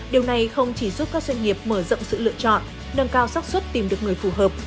điều này không chỉ giúp các doanh nghiệp mở rộng sự lựa chọn nâng cao sắc xuất tìm được người phù hợp